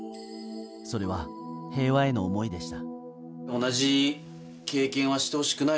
それは平和への思いでした。